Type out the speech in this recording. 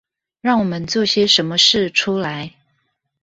讓我們做些什麼事出來